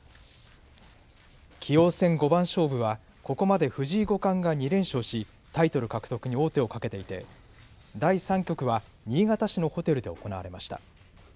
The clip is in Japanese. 棋王戦五番勝負はここまで藤井五冠が２連勝しタイトル獲得に王手をかけていて第３局は新潟市のホテルで行われました。